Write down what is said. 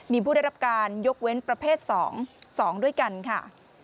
มีผู้ได้รับการยกเว้นประเภท๒๒ด้วยกันค่ะ